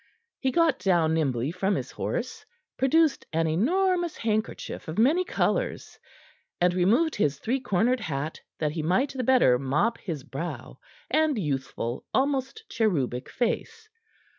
He got down nimbly from his horse, produced an enormous handkerchief of many colors, and removed his three cornered hat that he might the better mop his brow and youthful, almost cherubic face.